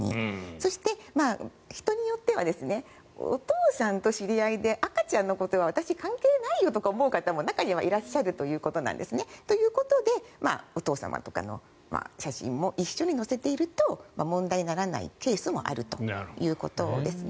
そして、人によってはお父さんと知り合いで赤ちゃんのことは私、関係ないよとか思う方も中にはいらっしゃるかもしれないということなんですね。ということでお父様とかの写真も一緒に載せていると問題にならないケースもあるということですね。